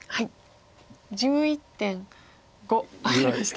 １１．５ありました。